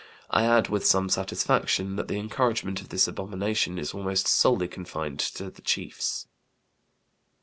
I add, with some satisfaction, that the encouragement of this abomination is almost solely confined to the chiefs."